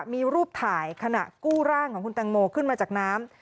มีรูปถ่ายขณะกู้ร่างของคุณแตงโมขึ้นมาจากน้ำ